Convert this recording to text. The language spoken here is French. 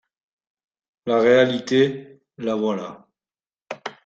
La réalité, la voilà.